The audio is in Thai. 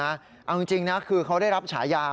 เอาจริงนะคือเขาได้รับฉายา